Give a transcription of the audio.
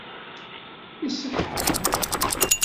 Iṣeḥḥa?